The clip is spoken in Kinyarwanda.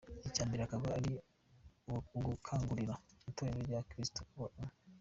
Icya mbere akaba ari ugukangurira itorero rya Kristo kuba umwe.